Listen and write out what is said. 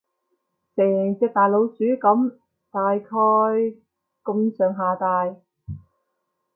成隻大老鼠噉，大概噉上下大